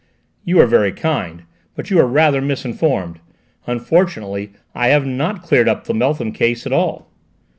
"You are very kind, but you are rather misinformed. Unfortunately I have not cleared up the Beltham case at all."